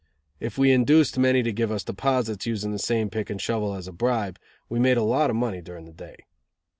If we induced many to give us deposits, using the same pick and shovel as a bribe, we made a lot of money during the day.